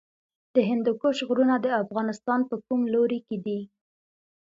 د هندوکش غرونه د افغانستان په کوم لوري کې دي؟